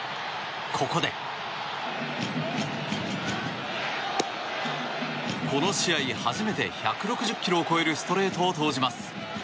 ここで、この試合初めて１６０キロを超えるストレートを投じます。